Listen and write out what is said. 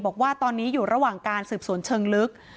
บอกว่าตอนนี้อยู่ระหว่างการสืบสวนเชิงลึก